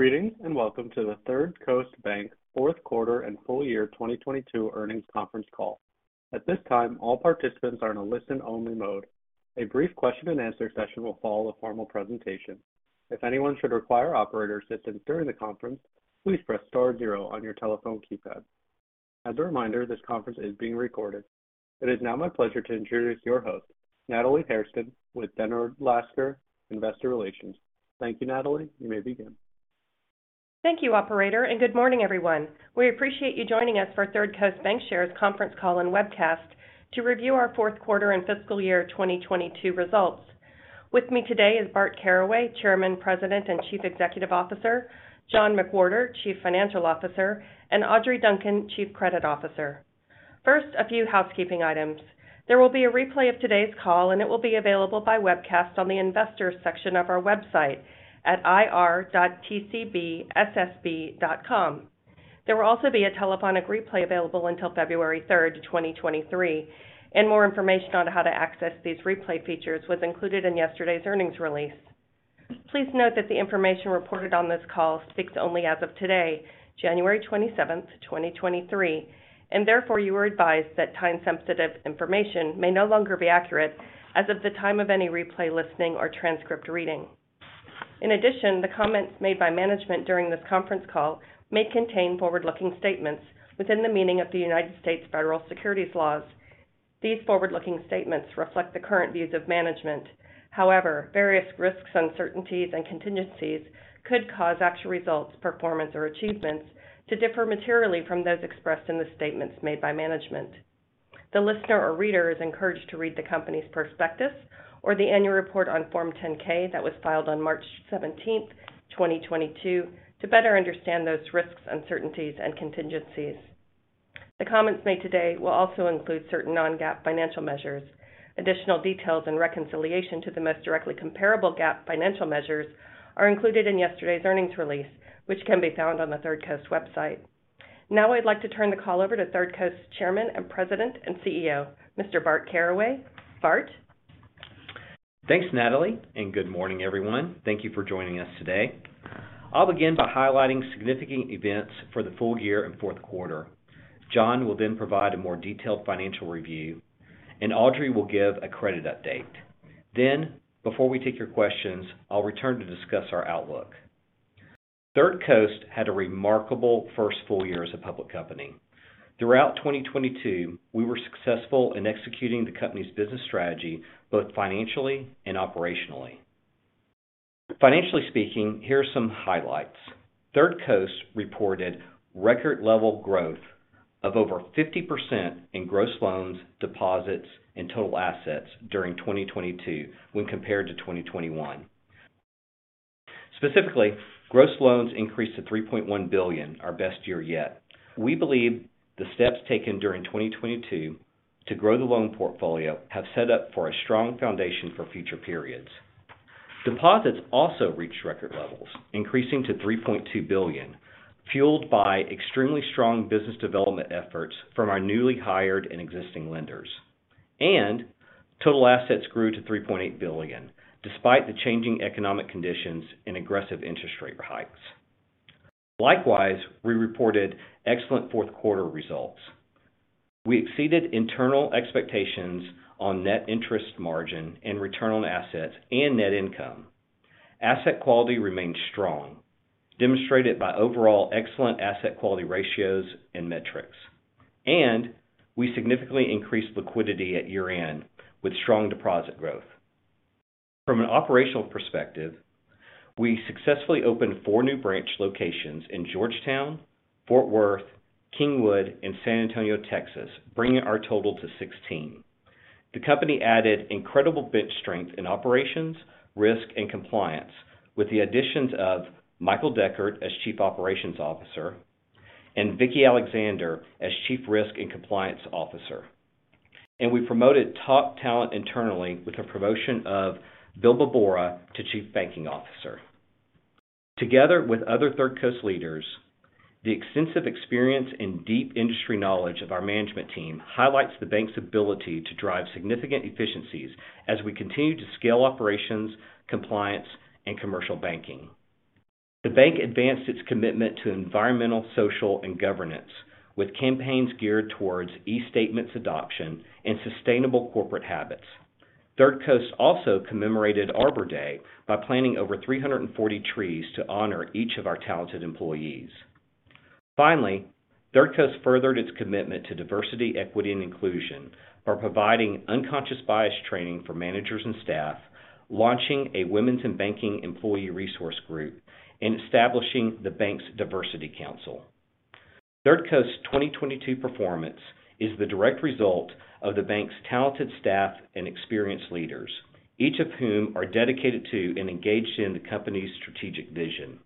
Greetings, welcome to the Third Coast Bank fourth quarter and full year 2022 earnings conference call. At this time, all participants are in a listen-only mode. A brief question-and-answer session will follow the formal presentation. If anyone should require operator assistance during the conference, please press star zero on your telephone keypad. As a reminder, this conference is being recorded. It is now my pleasure to introduce your host, Natalie Hairston with Dennard Lascar Investor Relations. Thank you, Natalie. You may begin. Thank you, operator. Good morning, everyone. We appreciate you joining us for Third Coast Bancshares conference call and webcast to review our fourth quarter and fiscal year 2022 results. With me today is Bart Caraway, Chairman, President, and Chief Executive Officer, John McWhorter, Chief Financial Officer, and Audrey Duncan, Chief Credit Officer. First, a few housekeeping items. There will be a replay of today's call. It will be available by webcast on the Investors section of our website at ir.tcbssb.com. There will also be a telephonic replay available until February 3rd, 2023. More information on how to access these replay features was included in yesterday's earnings release. Please note that the information reported on this call is fixed only as of today, January 27th, 2023. Therefore, you are advised that time-sensitive information may no longer be accurate as of the time of any replay listening or transcript reading. In addition, the comments made by management during this conference call may contain forward-looking statements within the meaning of the U.S. federal securities laws. These forward-looking statements reflect the current views of management. However, various risks, uncertainties, and contingencies could cause actual results, performance, or achievements to differ materially from those expressed in the statements made by management. The listener or reader is encouraged to read the company's prospectus or the annual report on Form 10-K that was filed on March 17th, 2022, to better understand those risks, uncertainties, and contingencies. The comments made today will also include certain non-GAAP financial measures. Additional details and reconciliation to the most directly comparable GAAP financial measures are included in yesterday's earnings release, which can be found on the Third Coast website. Now, I'd like to turn the call over to Third Coast's Chairman and President and CEO, Mr. Bart Caraway. Bart? Thanks, Natalie. Good morning, everyone. Thank you for joining us today. I'll begin by highlighting significant events for the full year and fourth quarter. John will then provide a more detailed financial review, and Audrey will give a credit update. Before we take your questions, I'll return to discuss our outlook. Third Coast had a remarkable first full year as a public company. Throughout 2022, we were successful in executing the company's business strategy, both financially and operationally. Financially speaking, here are some highlights. Third Coast reported record level growth of over 50% in gross loans, deposits, and total assets during 2022 when compared to 2021. Specifically, gross loans increased to $3.1 billion, our best year yet. We believe the steps taken during 2022 to grow the loan portfolio have set up for a strong foundation for future periods. Deposits also reached record levels, increasing to $3.2 billion, fueled by extremely strong business development efforts from our newly hired and existing lenders. Total assets grew to $3.8 billion, despite the changing economic conditions and aggressive interest rate hikes. Likewise, we reported excellent fourth quarter results. We exceeded internal expectations on net interest margin and return on assets and net income. Asset quality remained strong, demonstrated by overall excellent asset quality ratios and metrics. We significantly increased liquidity at year-end with strong deposit growth. From an operational perspective, we successfully opened four new branch locations in Georgetown, Fort Worth, Kingwood, and San Antonio, Texas, bringing our total to 16. The company added incredible bench strength in operations, risk, and compliance with the additions of Michael Deckert as Chief Operations Officer and Vicki Alexander as Chief Risk and Compliance Officer. We promoted top talent internally with the promotion of Bill Bobbora to Chief Banking Officer. Together with other Third Coast leaders, the extensive experience and deep industry knowledge of our management team highlights the bank's ability to drive significant efficiencies as we continue to scale operations, compliance, and commercial banking. The bank advanced its commitment to environmental, social, and governance with campaigns geared towards eStatements adoption and sustainable corporate habits. Third Coast also commemorated Arbor Day by planting over 340 trees to honor each of our talented employees. Finally, Third Coast furthered its commitment to diversity, equity, and inclusion by providing unconscious bias training for managers and staff, launching a Women in Banking employee resource group, and establishing the bank's diversity council. Third Coast's 2022 performance is the direct result of the bank's talented staff and experienced leaders, each of whom are dedicated to and engaged in the company's strategic vision.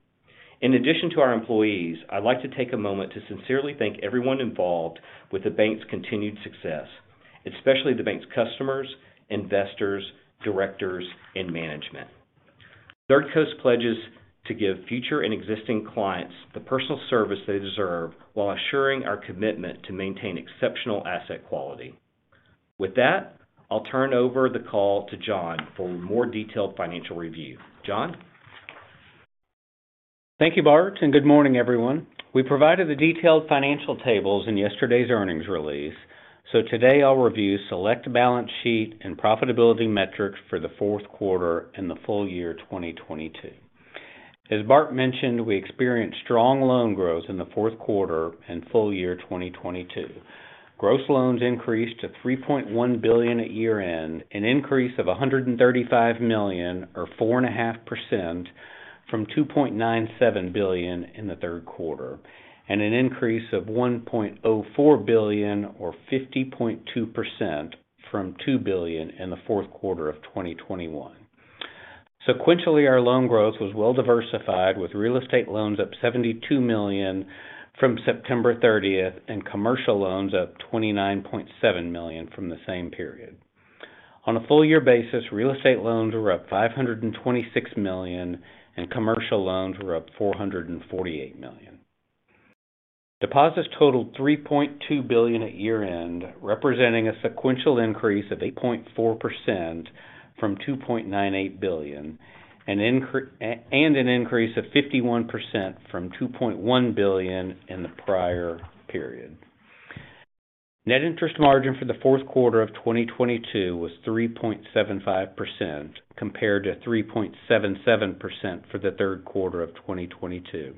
In addition to our employees, I'd like to take a moment to sincerely thank everyone involved with the bank's continued success, especially the bank's customers, investors, directors, and management. Third Coast pledges to give future and existing clients the personal service they deserve while assuring our commitment to maintain exceptional asset quality. I'll turn over the call to John for a more detailed financial review. John? Thank you, Bart. Good morning, everyone. We provided the detailed financial tables in yesterday's earnings release, so today I'll review select balance sheet and profitability metrics for the fourth quarter and the full year 2022. As Bart mentioned, we experienced strong loan growth in the fourth quarter and full year 2022. Gross loans increased to $3.1 billion at year-end, an increase of $135 million or 4.5% from $2.97 billion in the third quarter, and an increase of $1.04 billion or 50.2% from $2 billion in the fourth quarter of 2021. Sequentially, our loan growth was well-diversified, with real estate loans up $72 million from September 30th and commercial loans up $29.7 million from the same period. On a full year basis, real estate loans were up $526 million, and commercial loans were up $448 million. Deposits totaled $3.2 billion at year-end, representing a sequential increase of 8.4% from $2.98 billion, and an increase of 51% from $2.1 billion in the prior period. Net interest margin for the fourth quarter of 2022 was 3.75%, compared to 3.77% for the third quarter of 2022.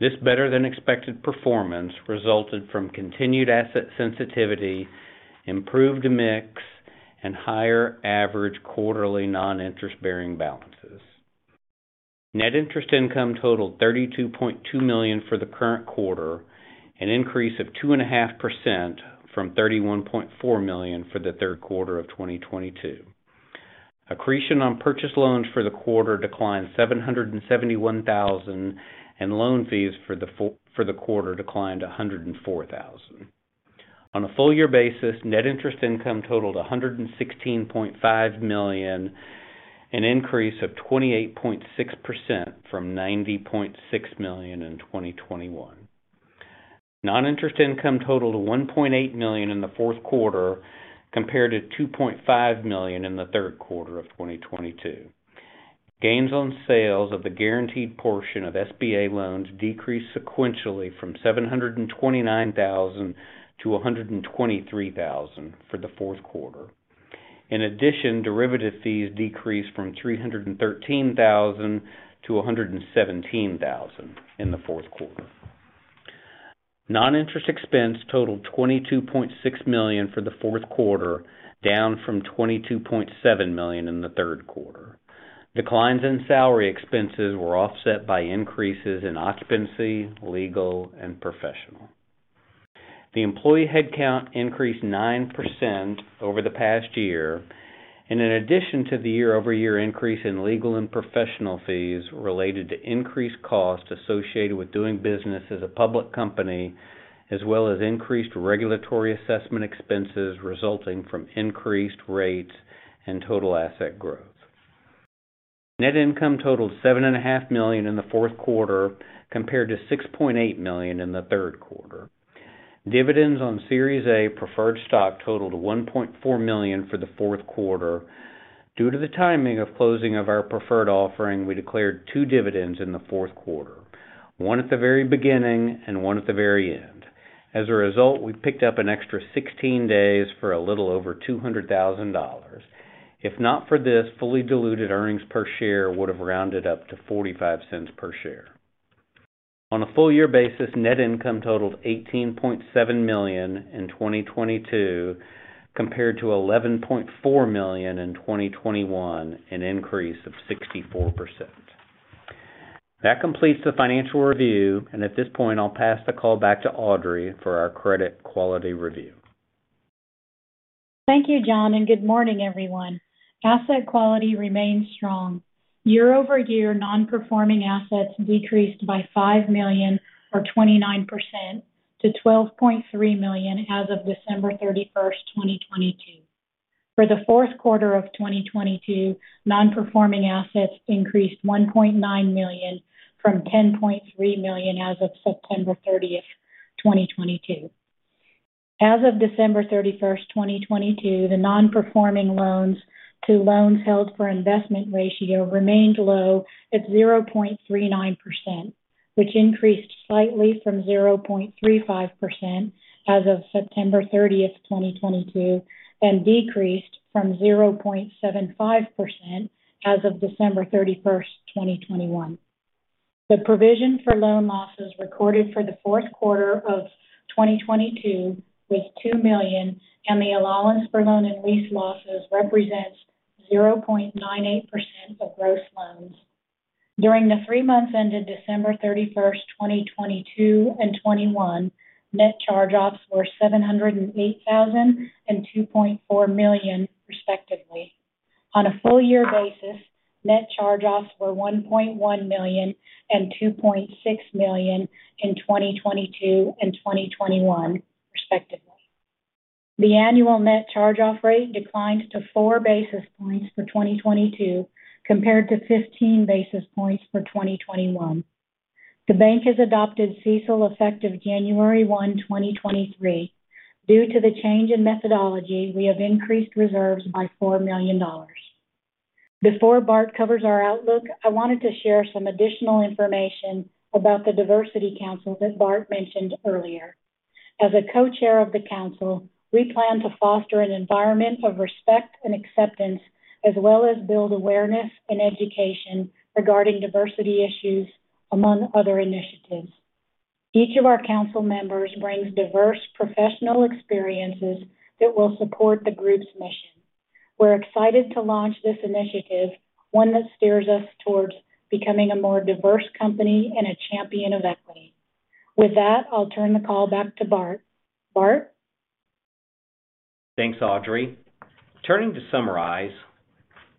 This better than expected performance resulted from continued asset sensitivity, improved mix, and higher average quarterly non-interest-bearing balances. Net interest income totaled $32.2 million for the current quarter, an increase of 2.5% from $31.4 million for the third quarter of 2022. Accretion on purchased loans for the quarter declined $771,000, and loan fees for the quarter declined $104,000. On a full year basis, net interest income totaled $116.5 million, an increase of 28.6% from $90.6 million in 2021. Non-interest income totaled $1.8 million in the fourth quarter, compared to $2.5 million in the third quarter of 2022. Gains on sales of the guaranteed portion of SBA loans decreased sequentially from $729,000 to $123,000 for the fourth quarter. In addition, derivative fees decreased from $313,000 to $117,000 in the fourth quarter. Non-interest expense totaled $22.6 million for the fourth quarter, down from $22.7 million in the third quarter. Declines in salary expenses were offset by increases in occupancy, legal, and professional. The employee headcount increased 9% over the past year, and in addition to the year-over-year increase in legal and professional fees related to increased costs associated with doing business as a public company, as well as increased regulatory assessment expenses resulting from increased rates and total asset growth. Net income totaled $7.5 million in the fourth quarter, compared to $6.8 million in the third quarter. Dividends on Series A preferred stock totaled $1.4 million for the fourth quarter. Due to the timing of closing of our preferred offering, we declared two dividends in the fourth quarter, one at the very beginning and one at the very end. As a result, we picked up an extra 16 days for a little over $200,000. If not for this, fully diluted earnings per share would have rounded up to $0.45 per share. On a full year basis, net income totaled $18.7 million in 2022, compared to $11.4 million in 2021, an increase of 64%. That completes the financial review. At this point, I'll pass the call back to Audrey for our credit quality review. Thank you, John. Good morning, everyone. Asset quality remains strong. Year-over-year non-performing assets decreased by $5 million or 29% to $12.3 million as of December 31, 2022. For the fourth quarter of 2022, non-performing assets increased $1.9 million from $10.3 million as of September 30, 2022. As of December 31, 2022, the non-performing loans to loans held for investment ratio remained low at 0.39%, which increased slightly from 0.35% as of September 30, 2022, and decreased from 0.75% as of December 31, 2021. The provision for loan losses recorded for the fourth quarter of 2022 was $2 million. The allowance for loan and lease losses represents 0.98% of gross loans. During the three months ended December thirty-first, 2022 and 2021, net charge-offs were $708,000 and $2.4 million, respectively. On a full year basis, net charge-offs were $1.1 million and $2.6 million in 2022 and 2021, respectively. The annual net charge-off rate declined to four basis points for 2022, compared to 15 basis points for 2021. The bank has adopted CECL effective January one, 2023. Due to the change in methodology, we have increased reserves by $4 million. Before Bart covers our outlook, I wanted to share some additional information about the diversity council that Bart mentioned earlier. As a co-chair of the council, we plan to foster an environment of respect and acceptance, as well as build awareness and education regarding diversity issues, among other initiatives. Each of our council members brings diverse professional experiences that will support the group's mission. We're excited to launch this initiative, one that steers us towards becoming a more diverse company and a champion of equity. With that, I'll turn the call back to Bart. Bart? Thanks, Audrey. Turning to summarize,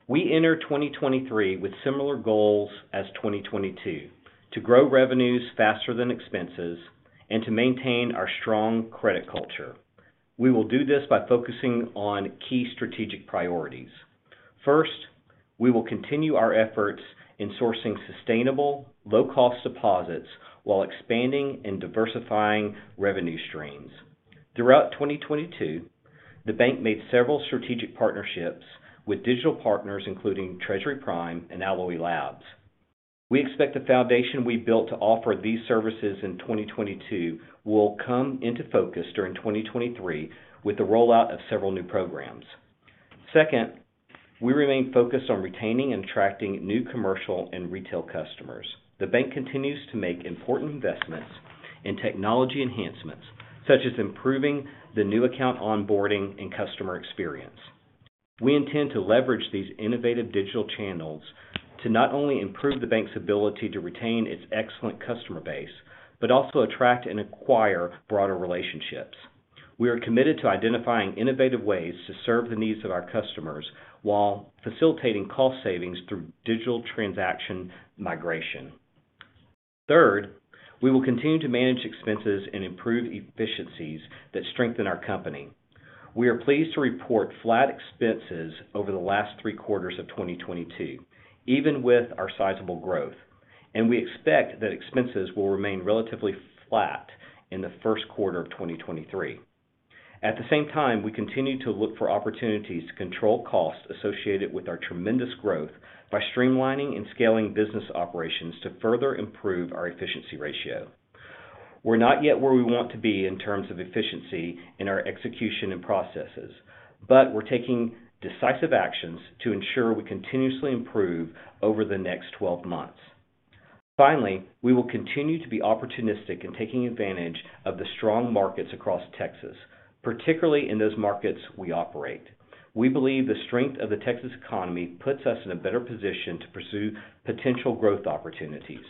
we enter 2023 with similar goals as 2022: to grow revenues faster than expenses and to maintain our strong credit culture. We will do this by focusing on key strategic priorities. First, we will continue our efforts in sourcing sustainable, low-cost deposits while expanding and diversifying revenue streams. Throughout 2022, the bank made several strategic partnerships with digital partners, including Treasury Prime and Alloy Labs. We expect the foundation we built to offer these services in 2022 will come into focus during 2023 with the rollout of several new programs. Second, we remain focused on retaining and attracting new commercial and retail customers. The bank continues to make important investments in technology enhancements, such as improving the new account onboarding and customer experience. We intend to leverage these innovative digital channels to not only improve the bank's ability to retain its excellent customer base, but also attract and acquire broader relationships. We are committed to identifying innovative ways to serve the needs of our customers while facilitating cost savings through digital transaction migration. Third, we will continue to manage expenses and improve efficiencies that strengthen our company. We are pleased to report flat expenses over the last three quarters of 2022, even with our sizable growth, and we expect that expenses will remain relatively flat in the first quarter of 2023. At the same time, we continue to look for opportunities to control costs associated with our tremendous growth by streamlining and scaling business operations to further improve our efficiency ratio. We're not yet where we want to be in terms of efficiency in our execution and processes, but we're taking decisive actions to ensure we continuously improve over the next 12 months. Finally, we will continue to be opportunistic in taking advantage of the strong markets across Texas, particularly in those markets we operate. We believe the strength of the Texas economy puts us in a better position to pursue potential growth opportunities.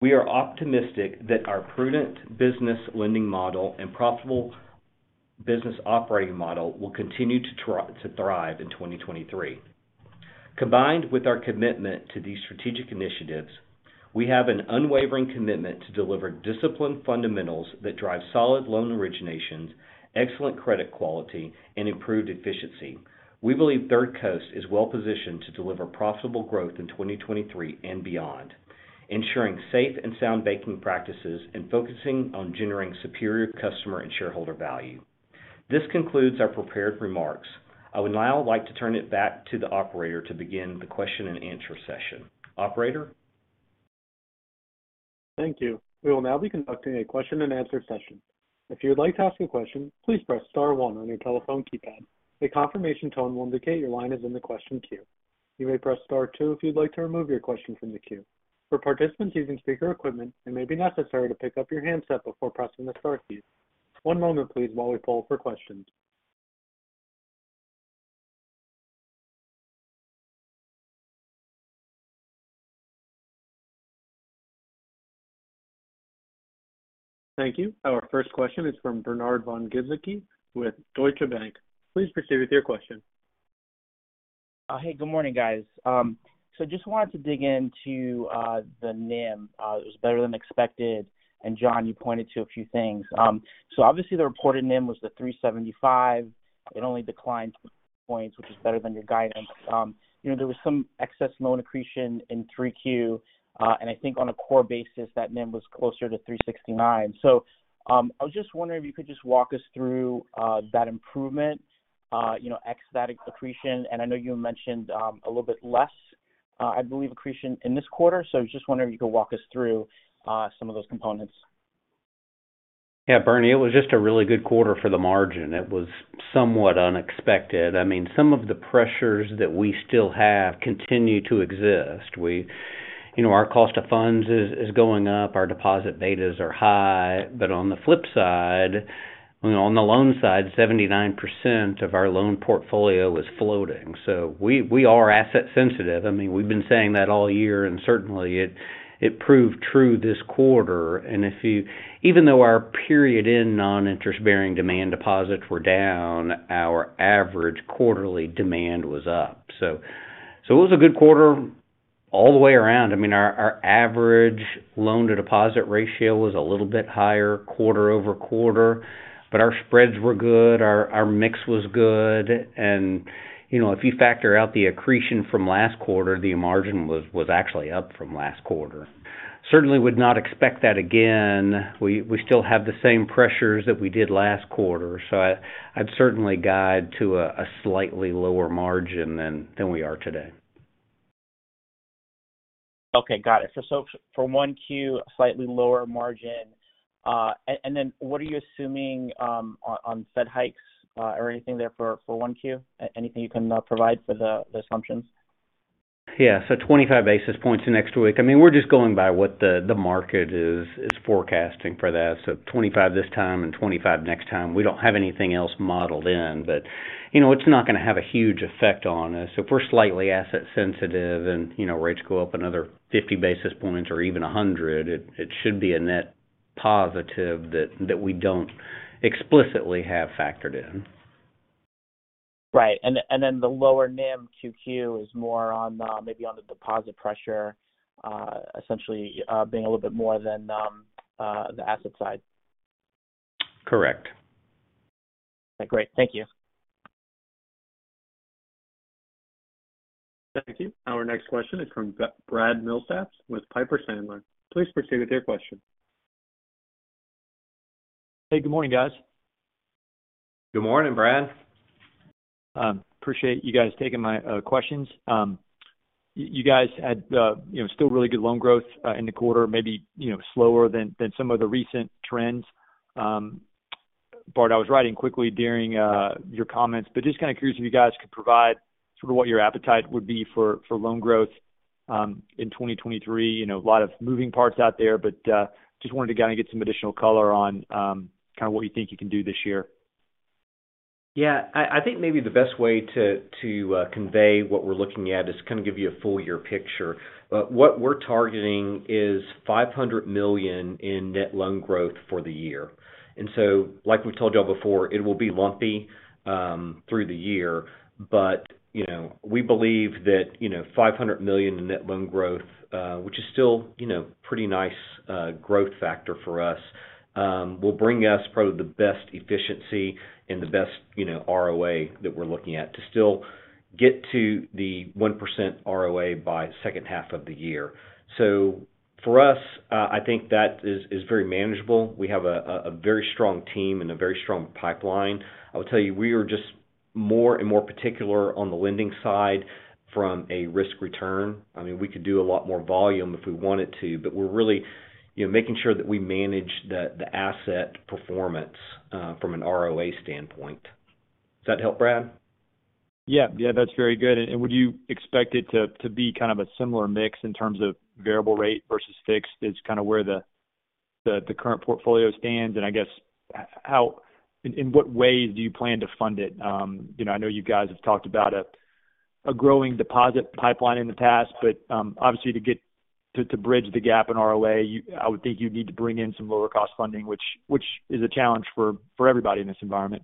We are optimistic that our prudent business lending model and profitable business operating model will continue to thrive in 2023. Combined with our commitment to these strategic initiatives, we have an unwavering commitment to deliver disciplined fundamentals that drive solid loan originations, excellent credit quality, and improved efficiency. We believe Third Coast is well positioned to deliver profitable growth in 2023 and beyond, ensuring safe and sound banking practices and focusing on generating superior customer and shareholder value. This concludes our prepared remarks. I would now like to turn it back to the operator to begin the question-and-answer session. Operator? Thank you. We will now be conducting a question-and-answer session. If you would like to ask a question, please press star one on your telephone keypad. A confirmation tone will indicate your line is in the question queue. You may press star two if you'd like to remove your question from the queue. For participants using speaker equipment, it may be necessary to pick up your handset before pressing the star key. One moment, please, while we poll for questions. Thank you. Our first question is from Bernard von Gizycki with Deutsche Bank. Please proceed with your question. Hey, good morning, guys. Just wanted to dig into the NIM. It was better than expected, and John, you pointed to a few things. Obviously the reported NIM was the 3.75%. It only declined points, which is better than your guidance. You know, there was some excess loan accretion in 3Q, and I think on a core basis that NIM was closer to 3.69%. I was just wondering if you could just walk us through that improvement, you know, ex that accretion, and I know you mentioned a little bit less, I believe, accretion in this quarter. Just wondering if you could walk us through some of those components. Yeah, Bernie, it was just a really good quarter for the margin. It was somewhat unexpected. I mean, some of the pressures that we still have continue to exist. You know, our cost of funds is going up. Our deposit betas are high. On the flip side, you know, on the loan side, 79% of our loan portfolio is floating. We are asset sensitive. I mean, we've been saying that all year, certainly it proved true this quarter. Even though our period end non-interest-bearing demand deposits were down, our average quarterly demand was up. It was a good quarter all the way around. I mean, our average loan to deposit ratio was a little bit higher quarter-over-quarter, our spreads were good, our mix was good. You know, if you factor out the accretion from last quarter, the margin was actually up from last quarter. Certainly would not expect that again. We still have the same pressures that we did last quarter. I'd certainly guide to a slightly lower margin than we are today. Got it. For 1Q, slightly lower margin. And then what are you assuming on fed hikes or anything there for 1Q? Anything you can provide for the assumptions? Yeah. 25 basis points next week. I mean, we're just going by what the market is forecasting for that. 25 this time and 25 next time. We don't have anything else modeled in. You know, it's not gonna have a huge effect on us. If we're slightly asset sensitive and, you know, rates go up another 50 basis points or even 100, it should be a net positive that we don't explicitly have factored in. Right. The lower NIM quarter-over-quarter is more maybe on the deposit pressure, essentially, being a little bit more than the asset side. Correct. Great. Thank you. Thank you. Our next question is from Brad Milsaps with Piper Sandler. Please proceed with your question. Hey, good morning, guys. Good morning, Brad. Appreciate you guys taking my questions. You guys had, you know, still really good loan growth in the quarter, maybe, you know, slower than some of the recent trends. Bart, I was writing quickly during your comments, but just kind of curious if you guys could provide sort of what your appetite would be for loan growth in 2023. You know, a lot of moving parts out there, but just wanted to kind of get some additional color on what you think you can do this year? I think maybe the best way to convey what we're looking at is kind of give you a full year picture. What we're targeting is $500 million in net loan growth for the year. Like we told y'all before, it will be lumpy through the year. You know, we believe that, you know, $500 million in net loan growth, which is still, you know, pretty nice growth factor for us, will bring us probably the best efficiency and the best, you know, ROA that we're looking at to still get to the 1% ROA by second half of the year. For us, I think that is very manageable. We have a very strong team and a very strong pipeline. I will tell you, we are just more and more particular on the lending side from a risk return. I mean, we could do a lot more volume if we wanted to, but we're really, you know, making sure that we manage the asset performance, from an ROA standpoint. Does that help, Brad? Yeah. Yeah, that's very good. Would you expect it to be kind of a similar mix in terms of variable rate versus fixed is kind of where the current portfolio stands? I guess in what ways do you plan to fund it? You know, I know you guys have talked about a growing deposit pipeline in the past, but, obviously to bridge the gap in ROA, I would think you'd need to bring in some lower cost funding, which is a challenge for everybody in this environment.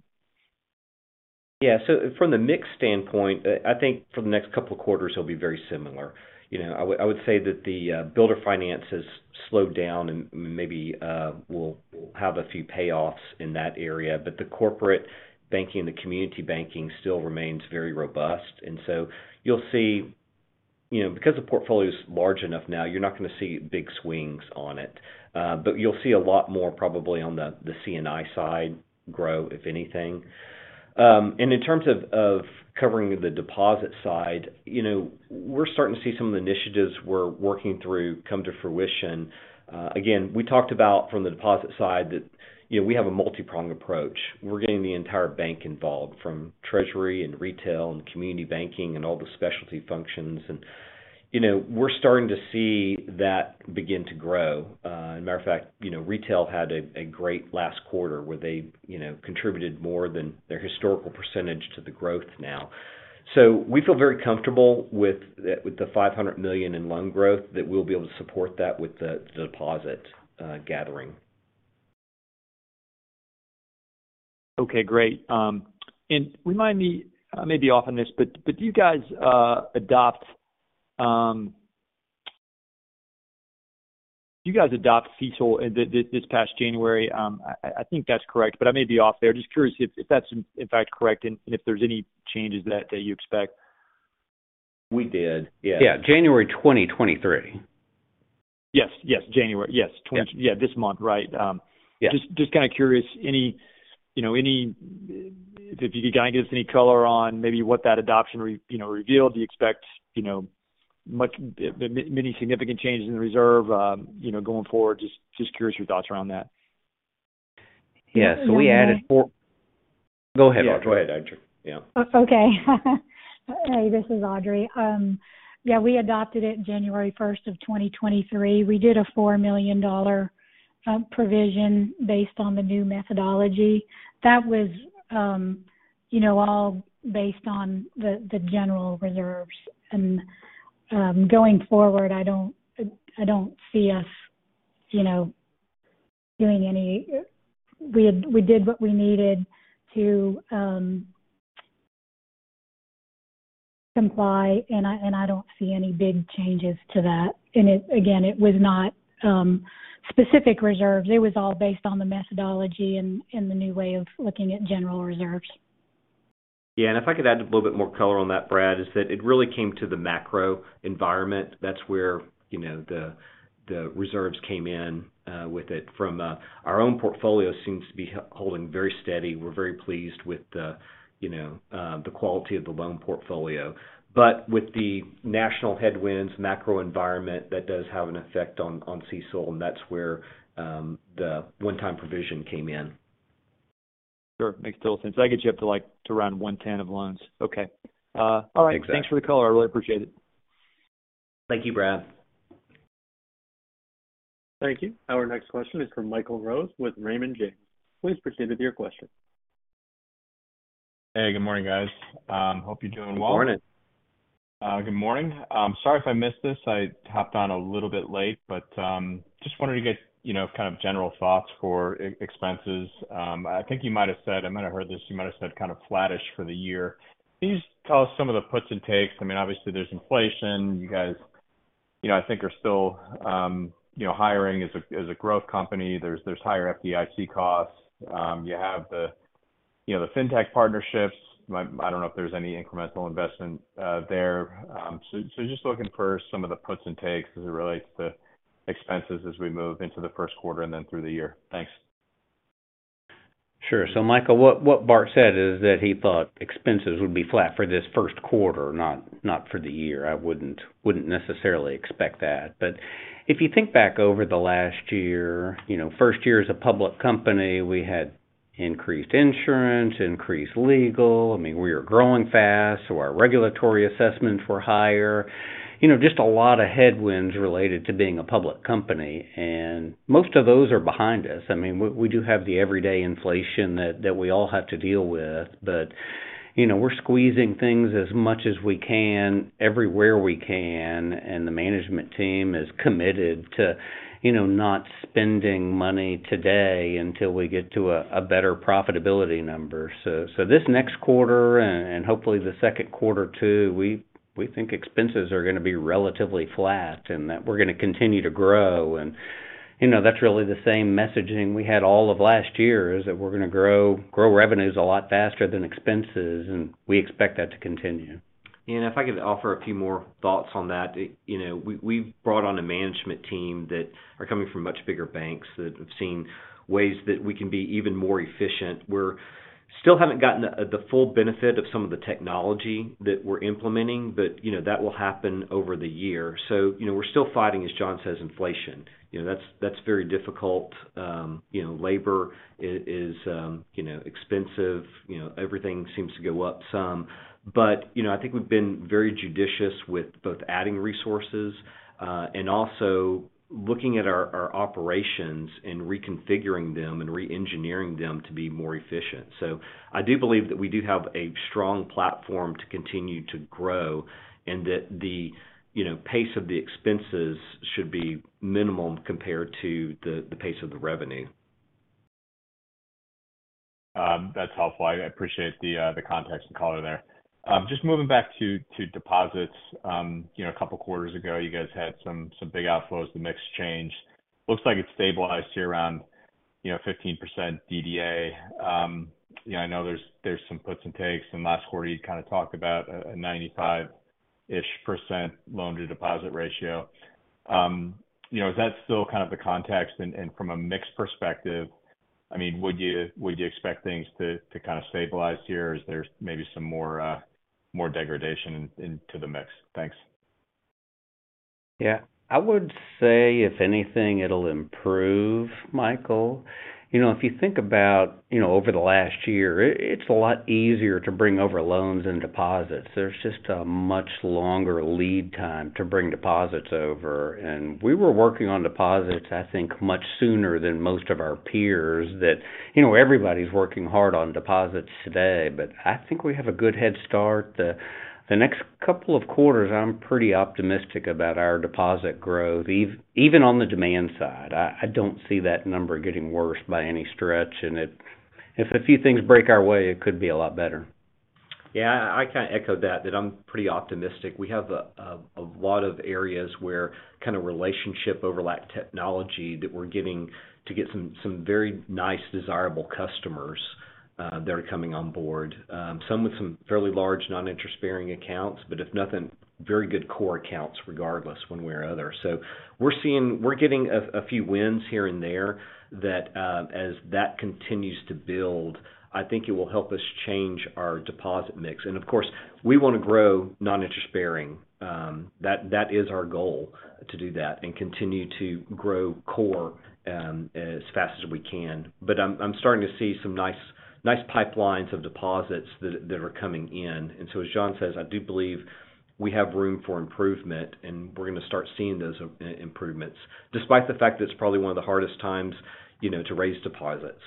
Yeah. From the mix standpoint, I think for the next two quarters it'll be very similar. You know, I would say that the builder finance has slowed down and maybe we'll have a few payoffs in that area. The corporate banking, the community banking still remains very robust. You'll see. You know, because the portfolio's large enough now, you're not gonna see big swings on it. You'll see a lot more probably on the C&I side grow, if anything. In terms of covering the deposit side, you know, we're starting to see some of the initiatives we're working through come to fruition. Again, we talked about from the deposit side that, you know, we have a multi-pronged approach. We're getting the entire bank involved from treasury and retail and community banking and all the specialty functions. You know, we're starting to see that begin to grow. As a matter of fact, you know, retail had a great last quarter where they, you know, contributed more than their historical % to the growth now. We feel very comfortable with the $500 million in loan growth that we'll be able to support that with the deposit gathering. Okay, great. Remind me, I may be off on this, but do you guys adopt CECL this past January? I think that's correct, but I may be off there. Just curious if that's in fact correct and if there's any changes that you expect? We did. Yeah. Yeah. January 2023. Yes, yes, January. Yes. Yeah. Yeah, this month, right. Yeah. Just kind of curious. If you could kind of give us any color on maybe what that adoption revealed? Do you expect, you know, many significant changes in the reserve, you know, going forward? Just curious your thoughts around that. Yeah. we added four- Go ahead, Audrey. Yeah, go ahead, Audrey. Yeah. Okay. Hey, this is Audrey. Yeah, we adopted it January first of 2023. We did a $4 million provision based on the new methodology. That was, you know, all based on the general reserves. Going forward, I don't see us, you know, doing any. We did what we needed to comply, and I don't see any big changes to that. It again, it was not specific reserves. It was all based on the methodology and the new way of looking at general reserves. If I could add a little bit more color on that, Brad, is that it really came to the macro environment. That's where, you know, the reserves came in with it from. Our own portfolio seems to be holding very steady. We're very pleased with the, you know, the quality of the loan portfolio. With the national headwinds, macro environment, that does have an effect on CECL, and that's where the one-time provision came in. Sure. Makes total sense. That gets you up to, like, to around 110 of loans. Okay. Exactly. All right. Thanks for the color. I really appreciate it. Thank you, Brad. Thank you. Our next question is from Michael Rose with Raymond James. Please proceed with your question. Hey, good morning, guys. Hope you're doing well. Good morning. Good morning. Sorry if I missed this. I hopped on a little bit late, just wanted to get, you know, kind of general thoughts for expenses. I think you might have said... I might have heard this, you might have said kind of flattish for the year. Can you just tell us some of the puts and takes? I mean, obviously, there's inflation. You guys, you know, I think are still, you know, hiring as a, as a growth company. There's higher FDIC costs. You have the, you know, the fintech partnerships. I don't know if there's any incremental investment there. Just looking for some of the puts and takes as it relates to expenses as we move into the first quarter and then through the year. Thanks. Sure. Michael, what Bart said is that he thought expenses would be flat for this first quarter, not for the year. I wouldn't necessarily expect that. If you think back over the last year, you know, first year as a public company, we had increased insurance, increased legal. I mean, we are growing fast, so our regulatory assessments were higher. You know, just a lot of headwinds related to being a public company. Most of those are behind us. I mean, we do have the everyday inflation that we all have to deal with, but, you know, we're squeezing things as much as we can everywhere we can, and the management team is committed to, you know, not spending money today until we get to a better profitability number. So this next quarter and hopefully the second quarter too, we think expenses are gonna be relatively flat, and that we're gonna continue to grow. You know, that's really the same messaging we had all of last year is that we're gonna grow revenues a lot faster than expenses, and we expect that to continue. If I could offer a few more thoughts on that. You know, we've brought on a management team that are coming from much bigger banks that have seen ways that we can be even more efficient. Still haven't gotten the full benefit of some of the technology that we're implementing, but, you know, that will happen over the year. You know, we're still fighting, as John says, inflation. You know, that's very difficult. You know, labor is, you know, expensive. You know, everything seems to go up some. You know, I think we've been very judicious with both adding resources, and also looking at our operations and reconfiguring them and re-engineering them to be more efficient. I do believe that we do have a strong platform to continue to grow, and that the, you know, pace of the expenses should be minimum compared to the pace of the revenue. That's helpful. I appreciate the context and color there. Just moving back to deposits. You know, a couple quarters ago you guys had some big outflows, the mix changed. Looks like it's stabilized here around, you know, 15% DDA. You know, I know there's some puts and takes, and last quarter you kind of talked about a 95%-ish loan-to-deposit ratio. You know, is that still kind of the context? From a mix perspective, I mean, would you, would you expect things to kind of stabilize here, or is there maybe some more, more degradation in, into the mix? Thanks. Yeah. I would say if anything, it'll improve, Michael. You know, if you think about, you know, over the last year, it's a lot easier to bring over loans than deposits. There's just a much longer lead time to bring deposits over. We were working on deposits, I think, much sooner than most of our peers that. You know, everybody's working hard on deposits today, but I think we have a good head start. The next couple of quarters, I'm pretty optimistic about our deposit growth. Even on the demand side, I don't see that number getting worse by any stretch. If a few things break our way, it could be a lot better. Yeah, I kinda echo that I'm pretty optimistic. We have a lot of areas where kind of relationship overlap technology that we're getting to get some very nice, desirable customers that are coming on board. Some with some fairly large non-interest-bearing accounts, but if nothing, very good core accounts regardless, one way or other. We're getting a few wins here and there that as that continues to build, I think it will help us change our deposit mix. Of course, we wanna grow non-interest-bearing. That is our goal to do that and continue to grow core as fast as we can. I'm starting to see some nice pipelines of deposits that are coming in. As John says, I do believe we have room for improvement, and we're gonna start seeing those improvements, despite the fact that it's probably one of the hardest times, you know, to raise deposits.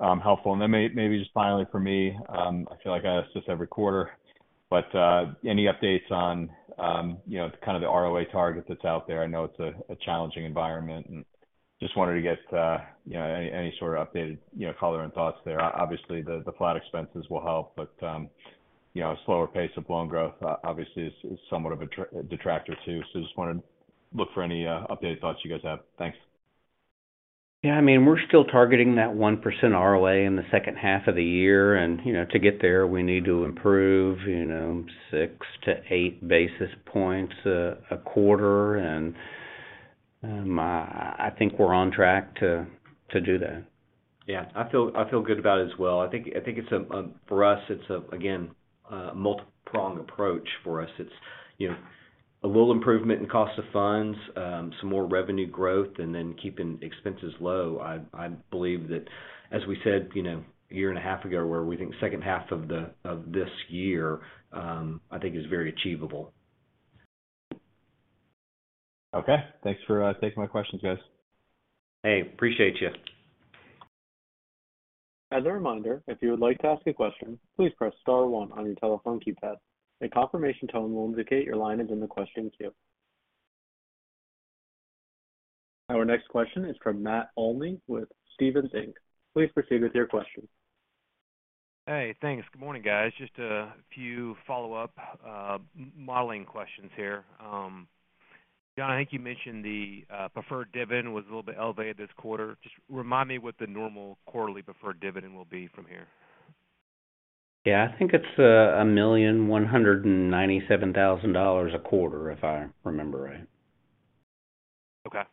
Helpful. Then maybe just finally for me, I feel like I ask this every quarter, but any updates on, you know, kind of the ROA target that's out there? I know it's a challenging environment and just wanted to get, you know, any sort of updated, you know, color and thoughts there. Obviously, the flat expenses will help, but, you know, a slower pace of loan growth obviously is somewhat of a detractor too. Just wanna look for any updated thoughts you guys have. Thanks. Yeah, I mean, we're still targeting that 1% ROA in the second half of the year. You know, to get there, we need to improve, you know, 6 to 8 basis points a quarter. I think we're on track to do that. Yeah, I feel good about it as well. I think it's a for us, it's, again, a multipronged approach for us. It's, you know, a little improvement in cost of funds, some more revenue growth, and then keeping expenses low. I believe that, as we said, you know, a year and a half ago, where we think second half of this year, I think is very achievable. Okay. Thanks for taking my questions, guys. Hey, appreciate ya. As a reminder, if you would like to ask a question, please press star one on your telephone keypad. A confirmation tone will indicate your line is in the question queue. Our next question is from Matt Olney with Stephens Inc. Please proceed with your question. Hey, thanks. Good morning, guys. Just a few follow-up, modeling questions here. John, I think you mentioned the preferred dividend was a little bit elevated this quarter. Just remind me what the normal quarterly preferred dividend will be from here. Yeah. I think it's, $1,197,000 a quarter, if I remember right. Okay.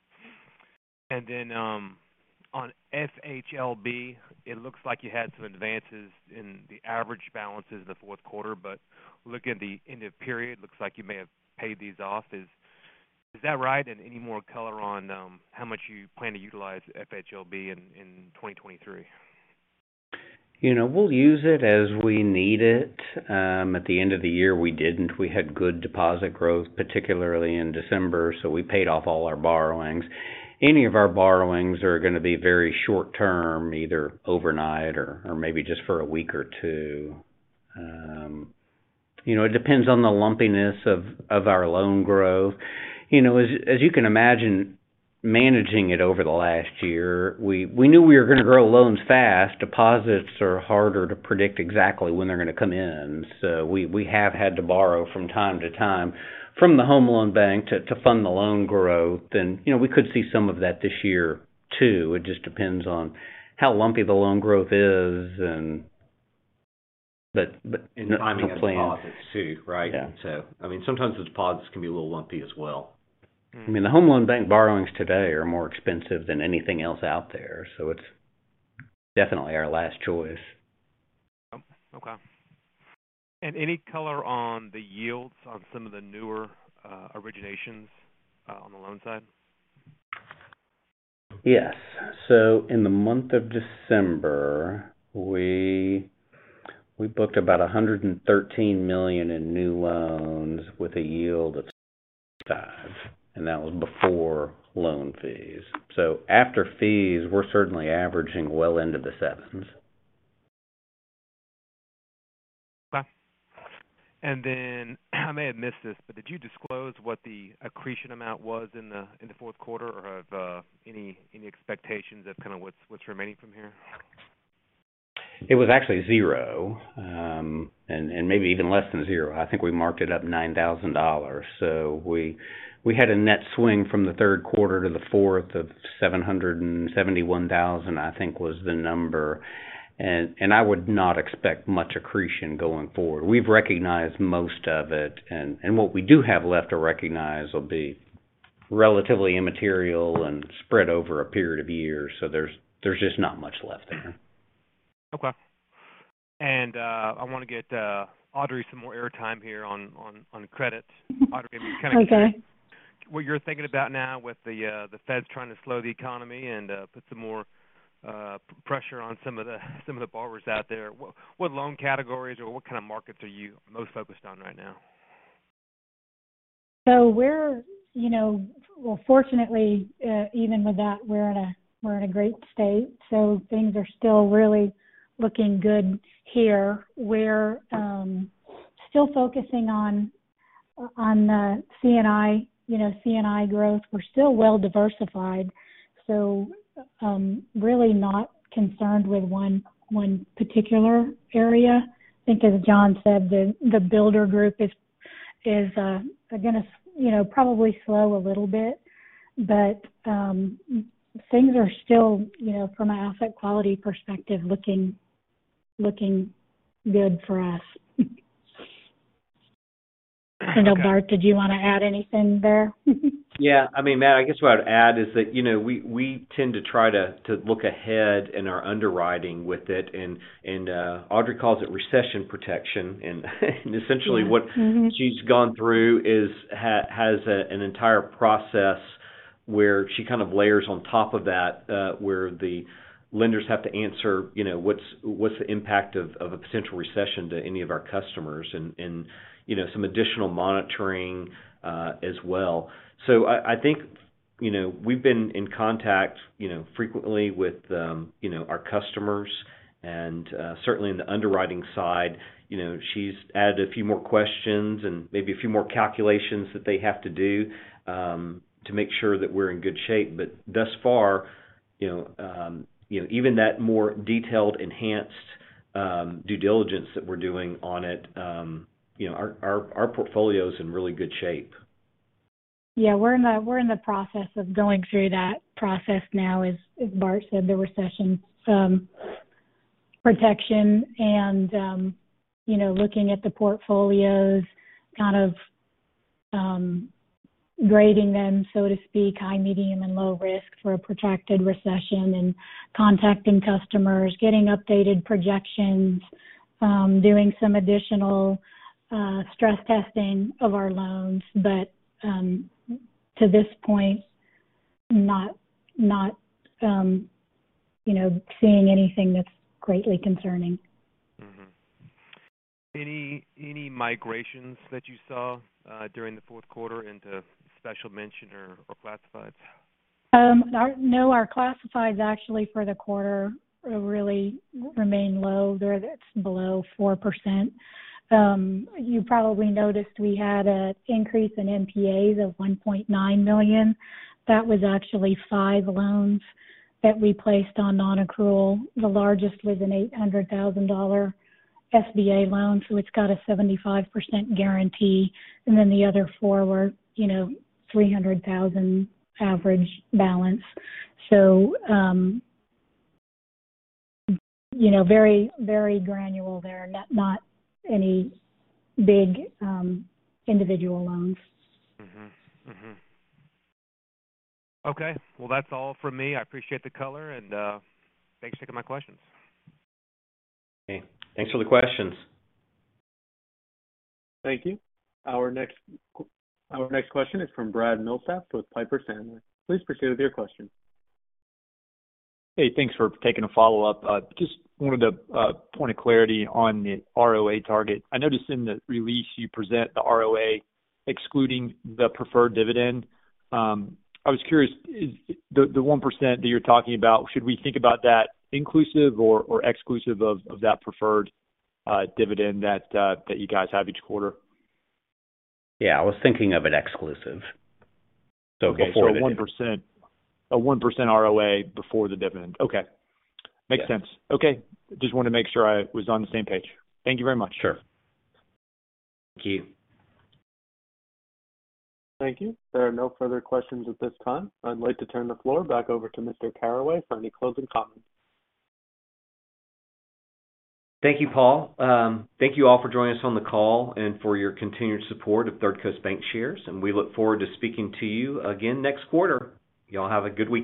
Then on FHLB, it looks like you had some advances in the average balances in the fourth quarter. Looking at the end of period, looks like you may have paid these off. Is that right? Any more color on how much you plan to utilize FHLB in 2023? You know, we'll use it as we need it. At the end of the year, we didn't. We had good deposit growth, particularly in December, so we paid off all our borrowings. Any of our borrowings are gonna be very short term, either overnight or maybe just for a week or two. You know, it depends on the lumpiness of our loan growth. You know, as you can imagine, managing it over the last year, we knew we were gonna grow loans fast. Deposits are harder to predict exactly when they're gonna come in, so we have had to borrow from time to time from the Home Loan Bank to fund the loan growth. You know, we could see some of that this year too. It just depends on how lumpy the loan growth is and. Timing of deposits too, right? Yeah. I mean, sometimes those deposits can be a little lumpy as well. I mean, the Home Loan Bank borrowings today are more expensive than anything else out there, so it's definitely our last choice. Okay. Any color on the yields on some of the newer, originations, on the loan side? Yes. In the month of December, we booked about $113 million in new loans with a yield of 5%, and that was before loan fees. After fees, we're certainly averaging well into the 7%. Okay. I may have missed this, but did you disclose what the accretion amount was in the fourth quarter or of any expectations of kind of what's remaining from here? It was actually zero, and maybe even less than zero. I think we marked it up $9,000. We had a net swing from the third quarter to the fourth of $771,000, I think was the number. I would not expect much accretion going forward. We've recognized most of it, and what we do have left to recognize will be relatively immaterial and spread over a period of years. There's just not much left there. Okay. I wanna get Audrey some more airtime here on credits. Audrey- Okay. What you're thinking about now with the Feds trying to slow the economy and put some more pressure on some of the borrowers out there, what loan categories or what kind of markets are you most focused on right now? We're, you know. Fortunately, even with that, we're in a great state. Things are still really looking good here. We're still focusing on the C&I, you know, C&I growth. We're still well diversified, really not concerned with one particular area. I think, as John said, the builder group is gonna you know, probably slow a little bit. Things are still, you know, from an asset quality perspective, looking good for us. Okay. Bart, did you wanna add anything there? Yeah. I mean, Matt, I guess what I'd add is that, you know, we tend to try to look ahead in our underwriting with it and Audrey calls it recession protection. Essentially. Yeah. Mm-hmm.... what she's gone through is, has an entire process where she kind of layers on top of that, where the lenders have to answer, you know, what's the impact of a potential recession to any of our customers and, you know, some additional monitoring as well. I think, you know, we've been in contact, you know, frequently with, you know, our customers and, certainly in the underwriting side. You know, she's added a few more questions and maybe a few more calculations that they have to do to make sure that we're in good shape. Thus far, you know, even that more detailed enhanced due diligence that we're doing on it, you know, our portfolio's in really good shape. Yeah. We're in the, we're in the process of going through that process now. As, as Bart said, the recession, protection and, you know, looking at the portfolios, kind of, grading them, so to speak, high, medium, and low risk for a protected recession and contacting customers, getting updated projections, doing some additional, stress testing of our loans. To this point, not, you know, seeing anything that's greatly concerning. Any migrations that you saw during the fourth quarter into special mention or classifieds? Our classifieds actually for the quarter really remain low. It's below 4%. You probably noticed we had a increase in NPAs of $1.9 million. That was actually five loans that we placed on nonaccrual. The largest was an $800,000 SBA loan, so it's got a 75% guarantee. Then the other 4 were, you know, $300,000 average balance. you know, very, very granular there. Not any big individual loans. Mm-hmm. Mm-hmm. Okay. Well, that's all from me. I appreciate the color, and thanks for taking my questions. Okay. Thanks for the questions. Thank you. Our next question is from Brad Milsaps with Piper Sandler. Please proceed with your question. Hey, thanks for taking a follow-up. just wanted to point of clarity on the ROA target. I noticed in the release you present the ROA excluding the preferred dividend. I was curious, the 1% that you're talking about, should we think about that inclusive or exclusive of that preferred dividend that you guys have each quarter? Yeah. I was thinking of it exclusive. A 1% ROA before the dividend. Okay. Yeah. Makes sense. Okay. Just wanna make sure I was on the same page. Thank you very much. Sure. Thank you. Thank you. There are no further questions at this time. I'd like to turn the floor back over to Mr. Caraway for any closing comments. Thank you, Paul. Thank you all for joining us on the call and for your continued support of Third Coast Bancshares, we look forward to speaking to you again next quarter. Y'all have a good weekend.